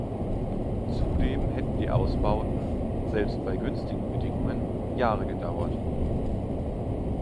Zudem hätten die Ausbauten, selbst bei günstigen Bedingungen, Jahre gedauert.